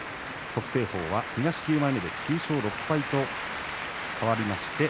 北青鵬は東９枚目で９勝６敗と変わりました。